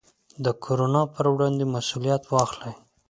د کورونا پر وړاندې مسوولیت واخلئ.